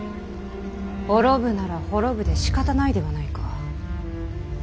滅ぶなら滅ぶでしかたないではないか。